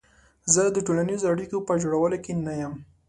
زه د ټولنیزو اړیکو په جوړولو کې نه یم.